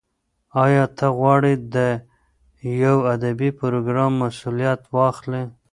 ایا ته غواړې د یو ادبي پروګرام مسولیت واخلې؟